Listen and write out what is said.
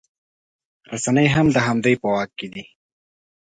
رسنۍ هم د همدوی په واک کې دي